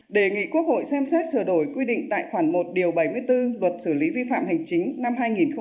đề nghị quốc hội xem xét sửa đổi quy định tại khoản một điều bảy mươi bốn luật xử lý vi phạm hành chính năm hai nghìn một mươi ba